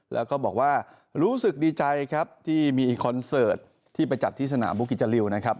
แล้วก็บอกว่ารู้สึกดีใจครับที่มีคอนเสิร์ตที่ไปจัดที่สนามบุกิจจาริวนะครับ